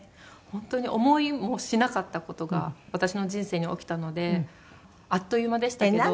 本当に思いもしなかった事が私の人生に起きたのであっという間でしたけど。